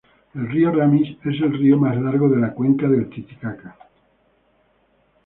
El río Ramis es el río más largo de la cuenca del Titicaca.